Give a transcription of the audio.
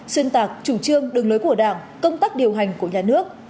xuyên tạc chủ trương đường lối của đảng công tác điều hành của nhà nước